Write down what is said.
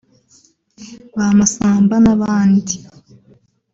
ba Masamba n’abandi